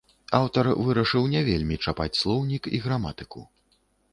Аўтар вырашыў не вельмі чапаць слоўнік і граматыку.